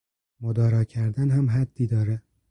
مدارا کردن هم حدی داره